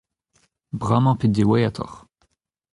Bremañ pe diwezhatoc'h ?